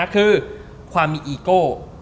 คือความอิโก้